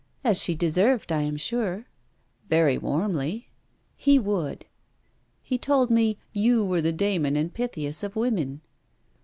'As she deserved, I am sure.' 'Very warmly.' 'He would!' 'He told me you were the Damon and Pythias of women.'